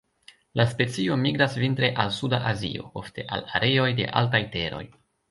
La specio migras vintre al suda Azio, ofte al areoj de altaj teroj.